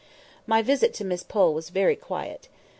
My visit to Miss Pole was very quiet.